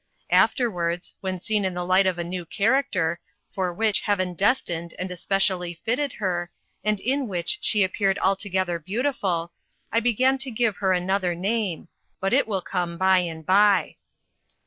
Afterwards, when seen in the light of a new character, for which Heaven destined and especially fitted her, and in which she appeared altogether beautiful I began to give her another name but it will come by and by.